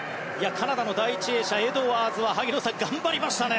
カナダも第１泳者エドワーズは萩野さん、頑張りましたね。